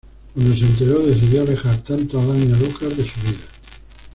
Cuando se enteró decidió alejar tanto a Dan y a Lucas de su vida.